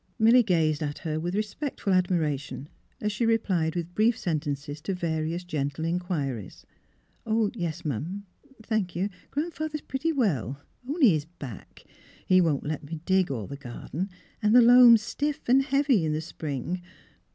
Milly gazed at her with re spectful admiration as she replied with brief sen tences to various gentle inquiries :*' Yes 'm, thank you, Gran 'father's pretty well — only his back. He won't let me dig all the gar den, and the loam's stiff and heavy in the spring.